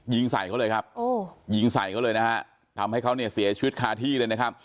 ยิงใส่เขาเลยครับโอ้ยิงใส่เขาเลยนะฮะทำให้เขาเนี่ยเสียชีวิตคาที่เลยนะครับ